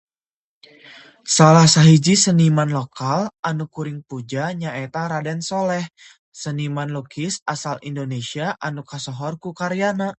Salah sahiji seniman lokal anu kuring puja nyaeta Raden Saleh, seniman lukis asal Indonesia anu kasohor ku karyana.